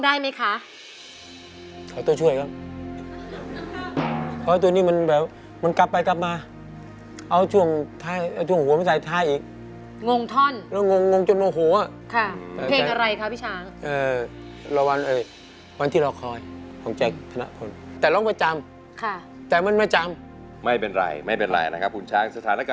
นี่คืออินโทรเพลงเป้าหมายรู้จักไหมคะ